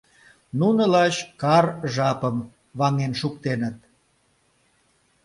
Нуно лач кар жапым ваҥен шуктеныт.